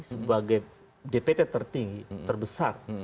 sebagai dpt tertinggi terbesar